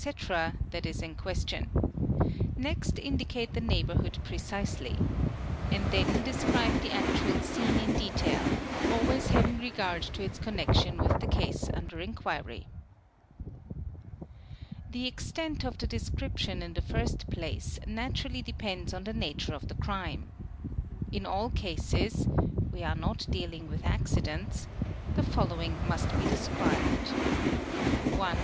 that is in lestion ; next indicate the neighbourhood precisely; and then describe he actual scene in detail, always having regard to its connection with the Se under inquiry. at The extent of the description in the first place naturally depends on ie nature of the crime. In all cases (we are not dealing with accidents) he following must be described :—' i.